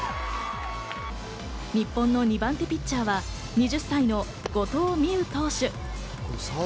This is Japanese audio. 日本の２番手ピッチャーは２０歳の後藤希友投手。